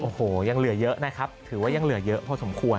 โอ้โหยังเหลือเยอะนะครับถือว่ายังเหลือเยอะพอสมควร